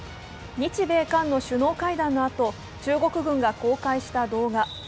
日米韓の首脳会談のあと、中国軍が公開した動画。